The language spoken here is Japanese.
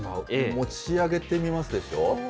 持ち上げてみますでしょ。